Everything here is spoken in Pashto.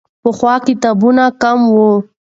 پخوا کتابونه کم وو.